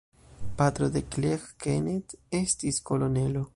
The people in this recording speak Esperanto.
Patro de Claire Kenneth estis kolonelo.